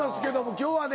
今日はね